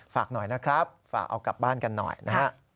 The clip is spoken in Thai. ฝากหน่อยนะครับฝากเอากลับบ้านกันหน่อยนะฮะ